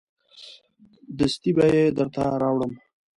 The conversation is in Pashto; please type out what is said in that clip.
دستي به یې درته راوړم.